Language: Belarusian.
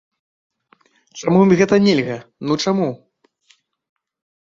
Чаму ім гэта нельга, ну чаму?